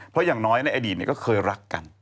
เพราะอย่างน้อยในอดีตก็เคยรักกัน